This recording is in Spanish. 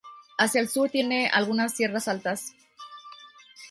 Hacia el sur tiene algunas tierras altas.